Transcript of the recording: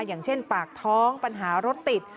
อย่างเช่นปากท้องปัญหารถติด